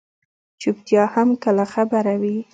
چُپتیا هم کله خبره وي.